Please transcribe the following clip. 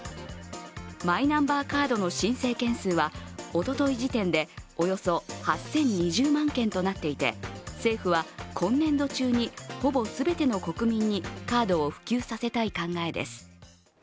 マイナンバーカードの申請件数はおととい時点でおよそ８０２０万件となっていて、政府は今年度中にほぼ全ての国民にカードを普及させたい考えです。